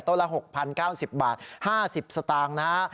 ละ๖๐๙๐บาท๕๐สตางค์นะฮะ